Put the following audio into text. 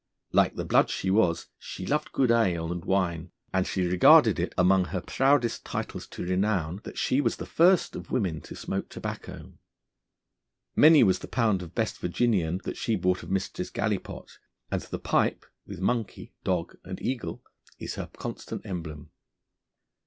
Like the blood she was, she loved good ale and wine; and she regarded it among her proudest titles to renown that she was the first of women to smoke tobacco. Many was the pound of best Virginian that she bought of Mistress Gallipot, and the pipe, with monkey, dog, and eagle, is her constant emblem.